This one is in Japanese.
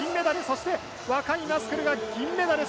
そして、若いマスキルが銀メダル。